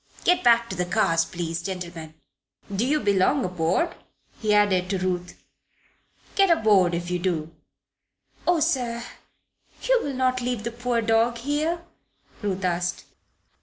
Get back to the cars, please, gentlemen. Do you belong aboard?" he added, to Ruth. "Get aboard, if you do." "Oh, sir! You will not leave the poor dog here?" Ruth asked.